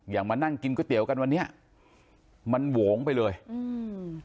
มานั่งกินก๋วยเตี๋ยวกันวันนี้มันโหงไปเลยอืม